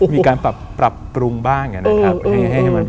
มีการปรับปรุงบ้างอย่างนี้นะครับ